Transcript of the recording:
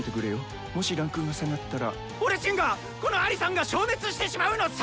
もし位階が下がったら俺ちんがこのアリさんが消滅してしまうのっさ！